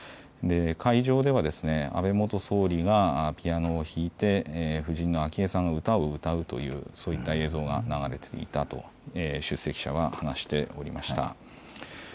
会場では安倍元総理がピアノを弾いて婦人の昭恵さんが歌を歌うという、そういった映像が流れていたと出席者は話しておりました。